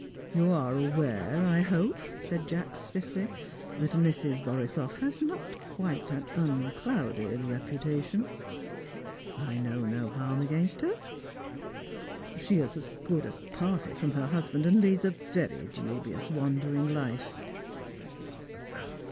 "You are aware, I hope," said Jacks stiffly, "that Mrs. Borisoff has not quite an unclouded reputation?" "I know no harm against her." "She is as good as parted from her husband, and leads a very dubious wandering life."